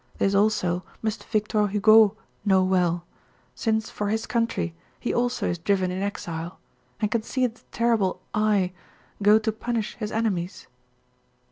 This also must Victor Hugo know well, since for his country he also is driven in exile and can see the terrible 'Eye' go to punish his enemies."